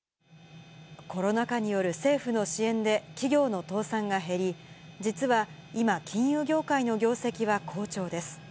コロナ禍による政府の支援で企業の倒産が減り、実は今、金融業界の業績は好調です。